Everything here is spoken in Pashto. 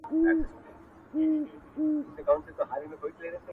چي ته بېلېږې له خپل كوره څخه ـ